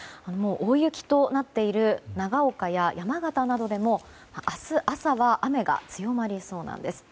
大雪となっている長岡や山形などでも明日朝は雨が強まりそうなんです。